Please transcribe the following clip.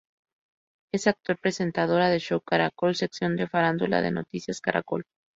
Es actual presentadora de "Show Caracol", sección de farándula de "Noticias Caracol".